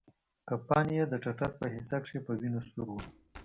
کفن يې د ټټر په حصه کښې په وينو سور و.